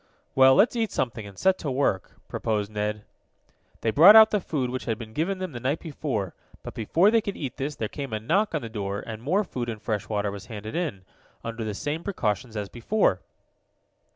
"Well, let's eat something, and set to work," proposed Ned. They brought out the food which had been given to them the night before, but before they could eat this, there came a knock on the door, and more food and fresh water was handed in, under the same precautions as before.